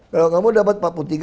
kalau kamu dapat empat puluh tiga